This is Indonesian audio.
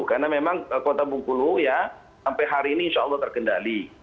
karena memang kota bungkulu ya sampai hari ini insya allah terkendali